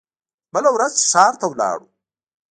بله ورځ چې ښار ته لاړو.